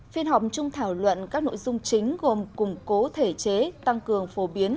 phiên họp chung thảo luận các nội dung chính gồm củng cố thể chế tăng cường phổ biến